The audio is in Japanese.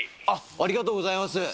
ありがとうございます。